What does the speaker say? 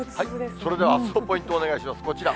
それではあすのポイントお願いします、こちら。